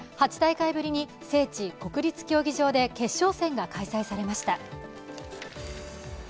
８大会ぶりに聖地・国立競技場で決勝戦が開催されました。